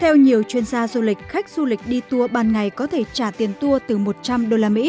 theo nhiều chuyên gia du lịch khách du lịch đi tour ban ngày có thể trả tiền tour từ một trăm linh usd